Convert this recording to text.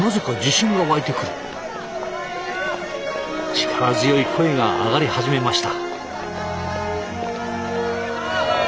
力強い声が上がり始めました。